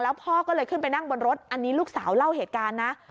พ่อก็เลยขึ้นไปนั่งบนรถอันนี้ลูกสาวเล่าเหตุการณ์นะ